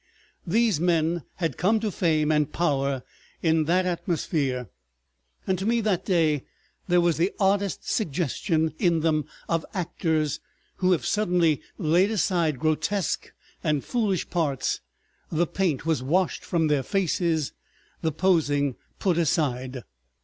... These men had come to fame and power in that atmosphere, and to me that day there was the oddest suggestion in them of actors who have suddenly laid aside grotesque and foolish parts; the paint was washed from their faces, the posing put aside.